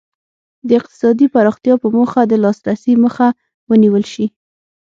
د اقتصادي پراختیا په موخه د لاسرسي مخه ونیول شي.